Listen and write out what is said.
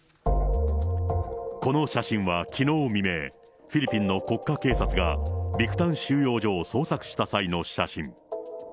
この写真はきのう未明、フィリピンの国家警察が、ビクタン収容所を捜索した際の写真。